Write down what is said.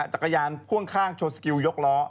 จักรยานพ่วงข้างชดสกิลยกเรา